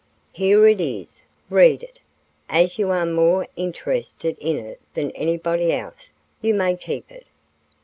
Here it is; read it. As you are more interested in it than anybody else, you may keep it."